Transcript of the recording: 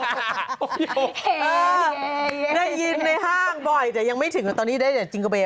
ได้ยินในห้างบ่อยแต่ยังไม่ถึงตอนนี้นะจิงโกเบล